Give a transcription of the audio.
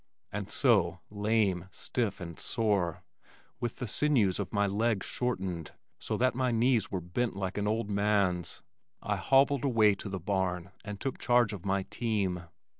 And so, lame, stiff and sore, with the sinews of my legs shortened, so that my knees were bent like an old man's, I hobbled away to the barn and took charge of my team.